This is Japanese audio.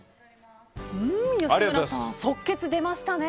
吉村さん、即決出ましたね。